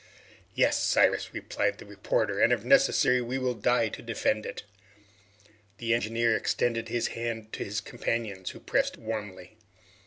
"Yes, Cyrus," replied the reporter, "and if necessary we will die to defend it!" The engineer extended his hand to his companions, who pressed it warmly.